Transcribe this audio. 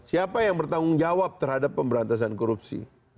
siapa yang bertanggung jawab terhadap pemberantasan korupsi